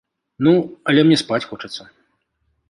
Ну, але мне спаць хочацца!